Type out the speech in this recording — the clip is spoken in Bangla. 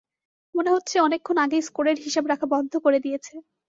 মনে হচ্ছে অনেকক্ষণ আগেই স্কোরের হিসাব রাখা বন্ধ করে দিয়েছে।